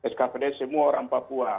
skpd semua orang papua